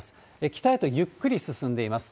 北へとゆっくり進んでいます。